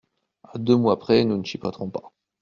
À deux mois près, nous ne chipoterons pas.